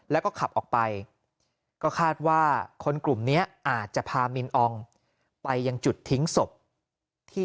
แล้วก็ขับออกไปก็คาดว่าคนกลุ่มนี้อาจจะพามินอองไปยังจุดทิ้งศพที่